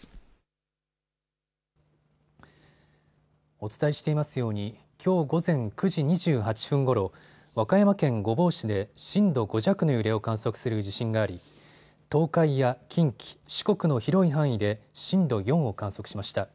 お伝えしていますようにきょう午前９時２８分ごろ、和歌山県御坊市で震度５弱の揺れを観測する地震があり東海や近畿、四国の広い範囲で震度４を観測しました。